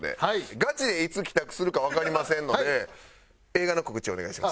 ガチでいつ帰宅するかわかりませんので映画の告知お願いします。